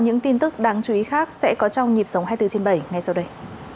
những tin tức đáng chú ý khác sẽ có trong nhịp sống hai mươi bốn trên bảy ngay sau đây